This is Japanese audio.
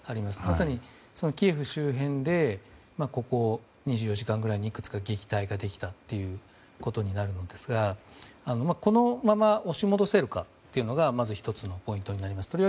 まさにキエフ周辺でここ２４時間くらいでいくつか撃退できたということになるんですがこのまま押し戻せるかというのが１つのポイントになります。